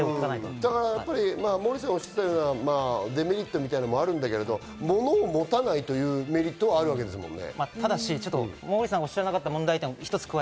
モーリーさんがおっしゃったようなデメリットみたいなものもあるけど、物を持たないというメリットはあるわけですもんね。